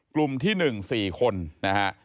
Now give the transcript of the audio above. กลุ่มที่๑๔คนนะฮะ